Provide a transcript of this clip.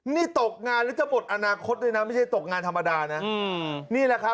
นี่ตกงานมันจะหมดอนาคตเลยนะไม่ใช่ตกงานธรรมดานะ